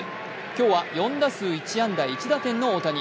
今日は４打数１安打１打点の大谷。